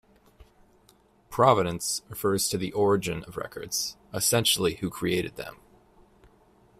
Provenance refers to the origin of records, essentially who created them.